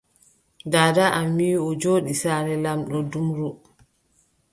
Daada am wii o jooɗi saare lamɗo Dumru,